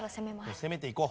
攻めていこう。